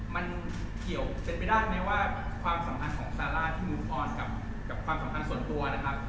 มันเกี่ยวเป็นไปได้ไหมว่าความสัมพันธ์ของซาร่าที่มุมออนกับความสัมพันธ์ส่วนตัวนะครับ